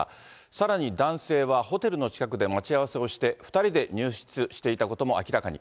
さらに男性は、ホテルの近くで待ち合わせをして、２人で入室していたことも明らかに。